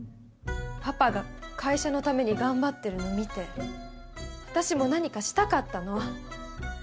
パパが会社のために頑張ってるの見て私も何かしたかったの。